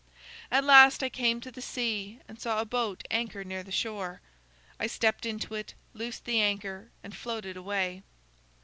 "At last I came to the sea and saw a boat anchored near the shore. I stepped into it, loosed the anchor, and floated away.